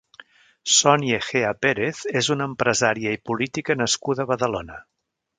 Sonia Egea Pérez és una empresària i política nascuda a Badalona.